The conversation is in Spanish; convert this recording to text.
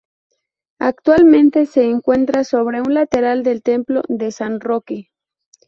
Actualmente se encuentra sobre un lateral del Templo de San Roque.